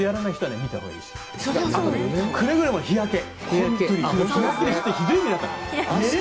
くれぐれも日焼け